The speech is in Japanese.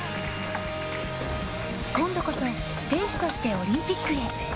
今度こそ選手としてオリンピックへ。